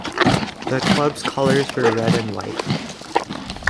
The club's colors were red and white.